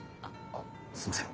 あっすいません。